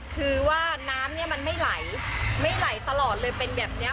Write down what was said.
คือว่าน้ำเนี่ยมันไม่ไหลไม่ไหลตลอดเลยเป็นแบบนี้